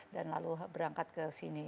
dan lalu berangkat ke sini